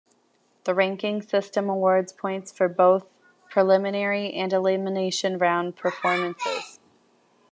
The ranking system awards points for both preliminary and elimination round performances.